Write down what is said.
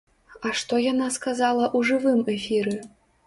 А што яна сказала ў жывым эфіры?